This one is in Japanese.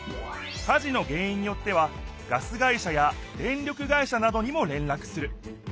火事の原いんによってはガス会社や電力会社などにも連絡する。